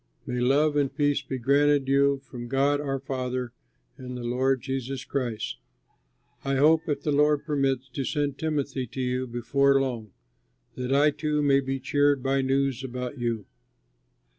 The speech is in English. May love and peace be granted you from God our Father and the Lord Jesus Christ. I hope, if the Lord permits, to send Timothy to you before long, that I too may be cheered by news about you.